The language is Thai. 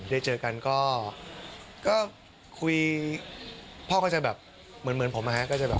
ได้เจอกันก็พ่อก็จะแบบเหมือนผมไว้ฮะ